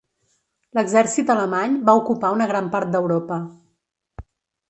L'exèrcit alemany va ocupar una gran part d'Europa.